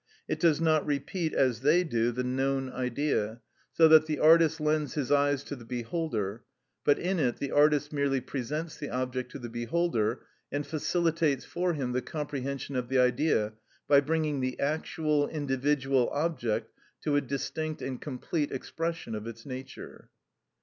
It does not repeat, as they do, the known Idea, so that the artist lends his eyes to the beholder, but in it the artist merely presents the object to the beholder, and facilitates for him the comprehension of the Idea by bringing the actual, individual object to a distinct and complete expression of its nature.